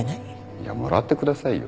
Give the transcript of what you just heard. いやもらってくださいよ。